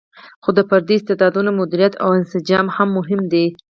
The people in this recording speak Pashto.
خو د فردي استعدادونو مدیریت او انسجام هم مهم دی.